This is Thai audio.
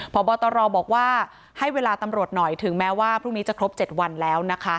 พบตรบอกว่าให้เวลาตำรวจหน่อยถึงแม้ว่าพรุ่งนี้จะครบ๗วันแล้วนะคะ